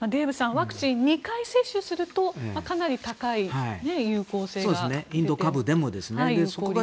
ワクチン２回接種するとかなり高い有効性があると。